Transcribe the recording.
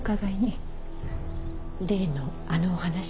例のあのお話？